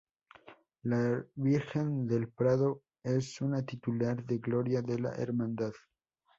La Virgen del Prado es una titular de gloria de la hermandad.